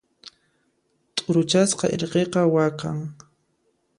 T'uruchasqa irqiqa waqan.